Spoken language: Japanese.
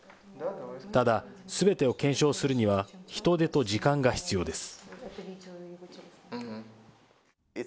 ただ、すべてを検証するには人手と時間が必要です。